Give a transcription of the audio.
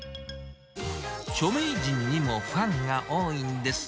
著名人にもファンが多いんです。